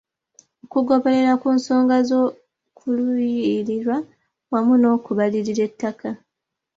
Okugoberera ku nsonga z'okuliyirirwa wamu n'okubalirira ettaka.